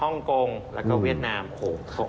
ฮ่องกงแล้วก็เวียดนาม๖